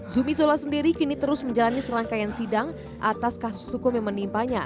zumi zola sendiri kini terus menjalani serangkaian sidang atas kasus hukum yang menimpanya